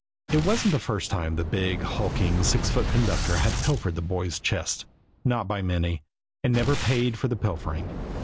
It wasn't the first time the big, hulking, six foot conductor had pilfered the boy's chest, not by many and never paid for the pilfering.